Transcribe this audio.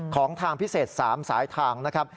ของทางพิเศษ๓สายทางนะครับ